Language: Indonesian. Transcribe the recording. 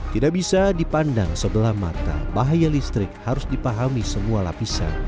tidak bisa dipandang sebelah mata bahaya listrik harus dipahami semua lapisan